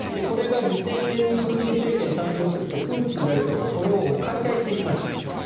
これが２０００年にプーチン政権が誕生するとプーチン大統領はこれを解体していきました。